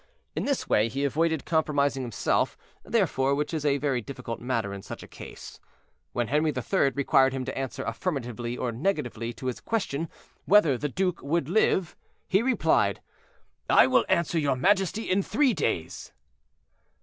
In this way he avoided compromising himself, therefore, which is a very difficult matter in such a case. When Henri III. required him to answer affirmatively or negatively to his question, "Whether the duke would live?" he replied, "I will answer your majesty in three days."